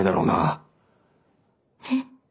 えっ？